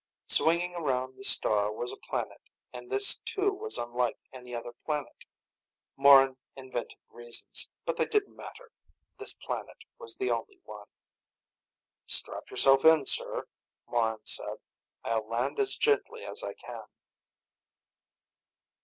Swinging around the star was a planet, and this too was unlike any other planet. Morran invented reasons, but they didn't matter. This planet was the only one. "Strap yourself in, sir," Morran said. "I'll land as gently as I can."